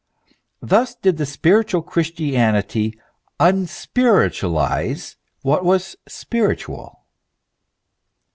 Thus did " spiritual" Christianity unspiritualize what was spiritual